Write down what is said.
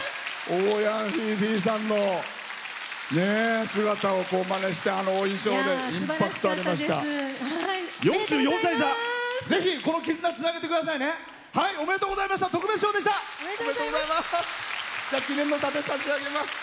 欧陽菲菲さんの姿をまねしてあのお衣装でインパクトありました。